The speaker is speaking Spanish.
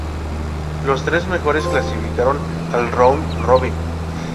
Los tres mejores clasificaron al round robin.